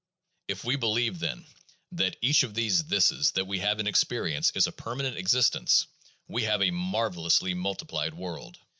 If we believe, then, that each of these "thises" that we have in experience is a permanent existence, we have a marvelously multi plied world.